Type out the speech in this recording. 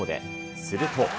すると。